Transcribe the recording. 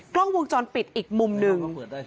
กล้องวงจรปิดอีกมุมหนึ่ง